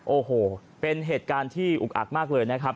โอ้โหเป็นเหตุการณ์ที่อุกอักมากเลยนะครับ